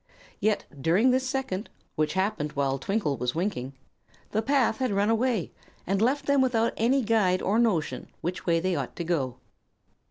Yet during this second, which happened while Twinkle was winking, the path had run away and left them without any guide or any notion which way they ought to go.